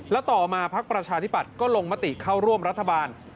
แล้วต่อมาพักประชาธิปัตย์ก็ลงมติเข้าร่วมรัฐบาล